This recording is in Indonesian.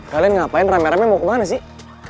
kalian ngapain rame rame mau kemana sih